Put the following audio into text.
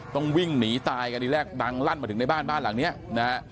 ต้องวิ่งหนีตายกันทีแรกดังลั่นมาถึงในบ้านบ้านหลังเนี้ยนะฮะ